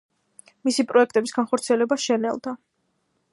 მისი პროექტების განხორციელება შენელდა.